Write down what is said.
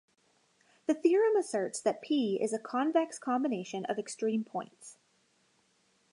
The theorem asserts that "p" is a convex combination of extreme points.